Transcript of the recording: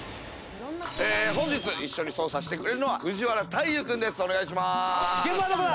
本日、一緒に捜査してくれるのは藤原大祐君です。